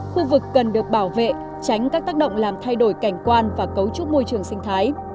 khu vực cần được bảo vệ tránh các tác động làm thay đổi cảnh quan và cấu trúc môi trường sinh thái